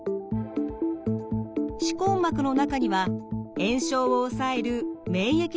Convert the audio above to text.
歯根膜の中には炎症を抑える免疫細胞がいます。